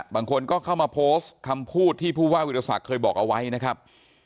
บางคนก็เข้ามาโพสต์คำพูดที่ผู้ว่าวิทยาศักดิ์เคยบอกเอาไว้นะครับ